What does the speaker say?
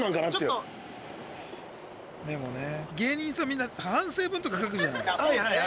みんな反省文とか書くじゃない？